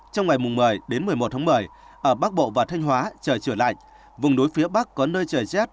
trong ngày một mươi một mươi một ở bắc bộ và thanh hóa trời trời lạnh vùng đuối phía bắc có nơi trời rét